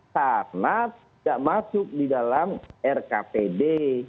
karena tidak masuk di dalam rkpd